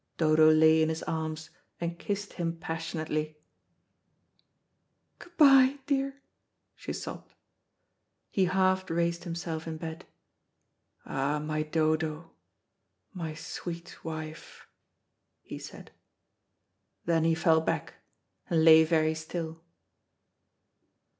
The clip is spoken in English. Dodo lay in his arms, and kissed him passionately. "Good bye, dear," she sobbed. He half raised himself in bed. "Ah, my Dodo, my sweet wife," he said. Then he fell back and lay very still.